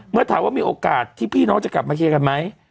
เมื่อถามว่ามีโอกาสที่พี่น้องจะกลับมาเคลียร์กันไหม